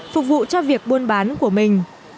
phục vụ cho việc buôn bán của mình